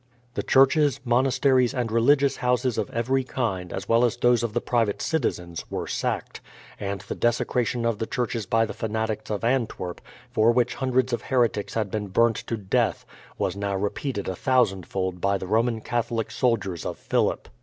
The churches, monasteries, and religious houses of every kind, as well as those of the private citizens, were sacked; and the desecration of the churches by the fanatics of Antwerp, for which hundreds of heretics had been burnt to death, was now repeated a thousand fold by the Roman Catholic soldiers of Philip.